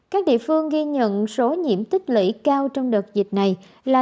các địa phương ghi nhận số nhiễm tích lũy cao trong đợt dịch này là